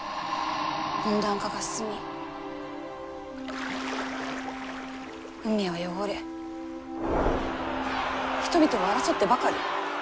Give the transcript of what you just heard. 温暖化が進み海は汚れ人々は争ってばかり。